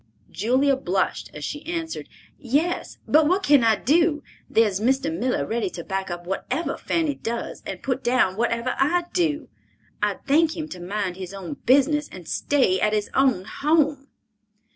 Julia blushed as she answered, "Yes, but what can I do. There's Mr. Miller ready to back up whatever Fanny does, and put down whatever I do. I'd thank him to mind his own business, and stay at his own home!"